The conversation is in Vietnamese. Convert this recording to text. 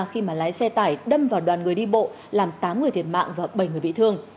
khi mà lái xe tải đâm vào đoàn người đi bộ làm tám người thiệt mạng và bảy người bị thương